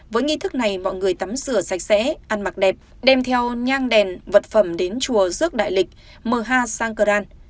với nghi thức này mọi người tắm rửa sạch sẽ ăn mặc đẹp đem theo nhang đèn vật phẩm đến chùa rước đại lịch mờ ha sang cờ ran